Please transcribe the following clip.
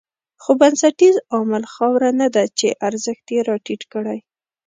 خو بنسټیز عامل خاوره نه ده چې ارزښت یې راټيټ کړی.